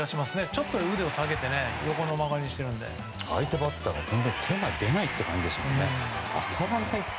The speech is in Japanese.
ちょっと腕を下げて横の曲がりにしているので相手バッターも手が出ないという感じですね。